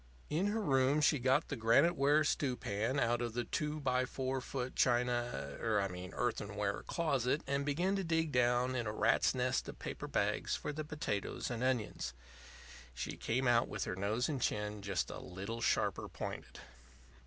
In her room she got the granite ware stew pan out of the 2x4 foot china er I mean earthenware closet, and began to dig down in a rat's nest of paper bags for the potatoes and onions. She came out with her nose and chin just a little sharper pointed.